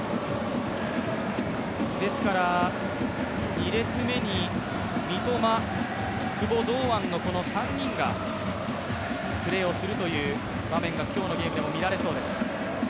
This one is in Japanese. ２列目に三笘、久保、堂安の３人がプレーをするという場面が今日のゲームでも見られそうです。